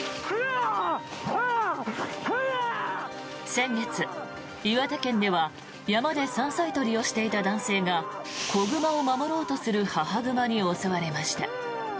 先月、岩手県では山で山菜採りをしていた男性が子熊を守ろうとする母熊に襲われました。